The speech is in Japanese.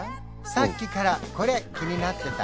さっきからこれ気になってた？